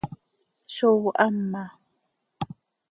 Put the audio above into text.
Zóo hama.